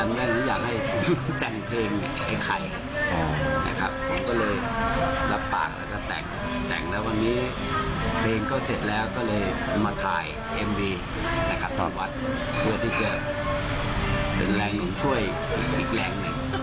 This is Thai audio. เพื่อที่จะเป็นแรงหนึ่งช่วยอีกแรงหนึ่ง